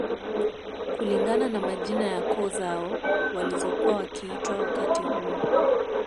Kulingana na majina ya koo zao walizokuwa wakiitwa wakati huo